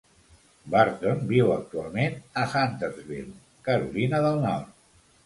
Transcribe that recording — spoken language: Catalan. Burton viu actualment a Huntersville, Carolina del Nord.